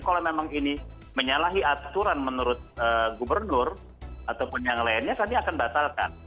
kalau memang ini menyalahi aturan menurut gubernur ataupun yang lainnya kami akan batalkan